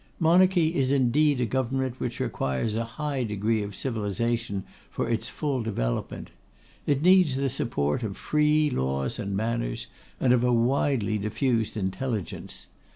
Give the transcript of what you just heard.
Monarchy is indeed a government which requires a high degree of civilisation for its full development. It needs the support of free laws and manners, and of a widely diffused intelligence.